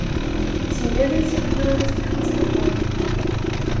Ці ведаеце вы беларускіх мастакоў?